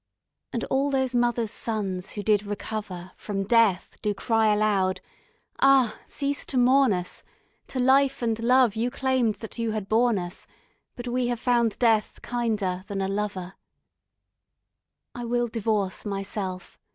And all those mothers' sons who did recover From death, do cry aloud: "Ah, cease to mourn us. To life and love you claimed that you had borne us, But we have found death kinder than a lover." I will divorce my Self.